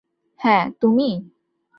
হ্যাঁ, তুমি?